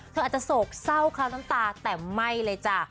อาจจะโศกเศร้าคล้าน้ำตาแต่ไม่เลยจ้ะ